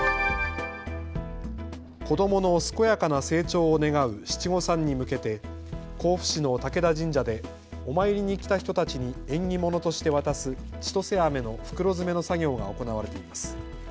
子どもの健やかな成長を願う七五三に向けて甲府市の武田神社でお参りに来た人たちに縁起物として渡すちとせあめの袋詰めの作業が行われています。